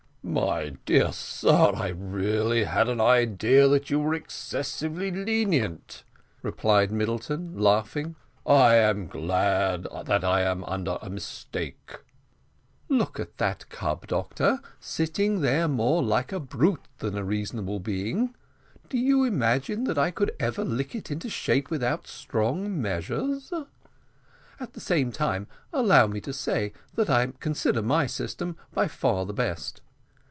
"My dear sir, I really had an idea that you were excessively lenient," replied Middleton, laughing; "I am glad that I am under a mistake." "Look at that cub, doctor, sitting there more like a brute than a reasonable being; do you imagine that I could ever lick it into shape without strong measures? At the same time, allow me to say, that I consider my system by far the best.